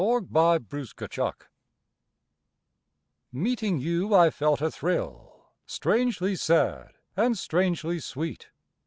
RE INCARNATION Meeting you I felt a thrill, Strangely sad, and strangely sweet!